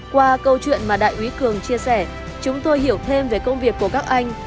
qua câu chuyện mà đại úy cường chia sẻ chúng tôi hiểu thêm về công việc của các anh